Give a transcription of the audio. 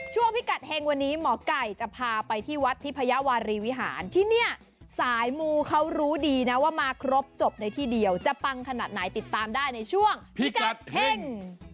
พิกัดเฮงวันนี้หมอไก่จะพาไปที่วัดทิพยาวารีวิหารที่เนี่ยสายมูเขารู้ดีนะว่ามาครบจบในที่เดียวจะปังขนาดไหนติดตามได้ในช่วงพิกัดเฮ่ง